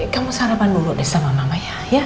kamu sarapan dulu deh sama mama ya